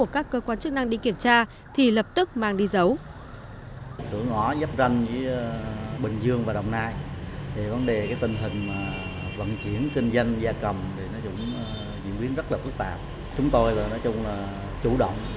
các cơ quan chức năng đi kiểm tra thì lập tức mang đi dấu